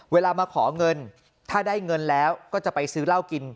เวลามาขอเงินถ้าได้เงินแล้วก็จะไปซื้อเหล้ากิน